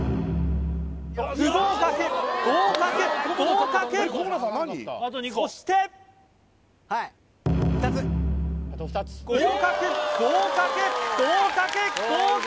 不合格合格合格そして合格合格合格合格！